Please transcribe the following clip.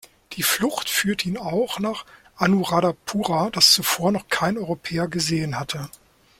Die Flucht führte ihn auch nach Anuradhapura, das zuvor noch kein Europäer gesehen hatte.